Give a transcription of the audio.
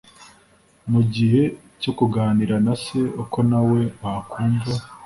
mu gihe cyo kuganira na se uko nawe wakumva